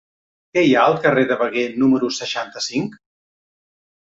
Què hi ha al carrer del Veguer número seixanta-cinc?